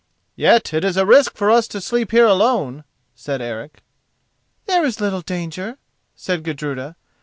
"Yet it is a risk for us to sleep here alone," said Eric. "There is little danger," said Gudruda.